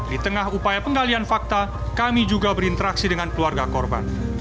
di tengah upaya penggalian fakta kami juga berinteraksi dengan keluarga korban